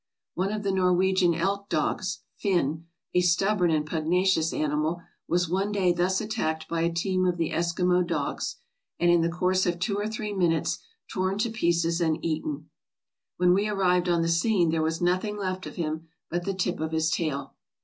One of the Norwegian elk dogs, ' Fin,' a stubborn and pugnacious animal was one day thus attacked by a team of the Eskimo dogs, and, in the course of two or three minutes, torn to pieces and eaten. When we arrived on the scene, there was nothing left of him but the tip of his tail!